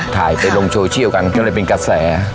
ถ่ายไปลงโซเชียลกันก็เลยเป็นกระแส